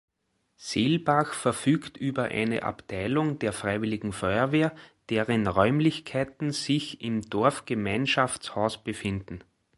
Seelbach verfügt über eine Abteilung der Freiwilligen Feuerwehr, deren Räumlichkeiten sich im Dorfgemeinschaftshaus befinden.